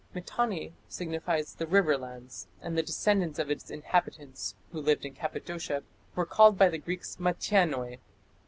Mitanni signifies "the river lands", and the descendants of its inhabitants, who lived in Cappadocia, were called by the Greeks "Mattienoi".